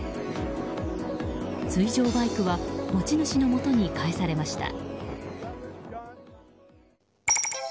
水上バイクは持ち主のもとに返されました。